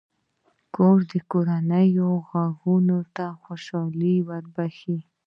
کور د کورنۍ غړو ته خوشحالي بښي.